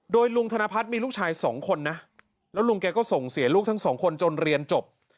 โดยลุงธนพัฒน์มีลูกชายสองคนนะแล้วลุงแกก็ส่งเสียลูกทั้งสองคนจนเรียนจบ